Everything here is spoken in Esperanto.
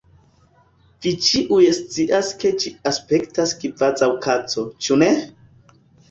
Vi ĉiuj scias ke ĝi aspektas kvazaŭ kaco, ĉu ne?